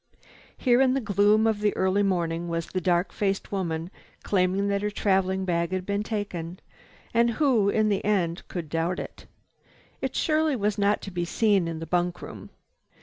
Here in the gloom of early morning was the dark faced woman claiming that her traveling bag had been taken. And who, in the end, could doubt it? It surely was not to be seen in the bunk room.